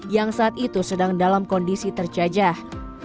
yang saat itu sedang dalam kondisi terjajah